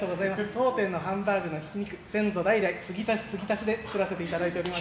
当店のハンバーグのひき肉先祖代々継ぎ足し継ぎ足しで作らせてもらってます。